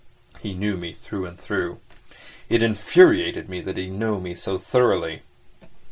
He knew me through and through. It infuriated me that he knew me so thoroughly.